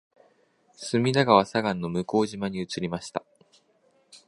隅田川左岸の向島に移りました